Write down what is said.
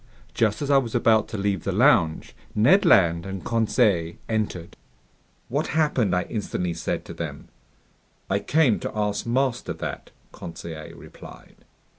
Just as I was about to leave the lounge, Ned Land and Conseil entered. "What happened?" I instantly said to them. "I came to ask master that," Conseil replied.